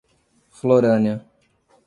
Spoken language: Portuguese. Florânia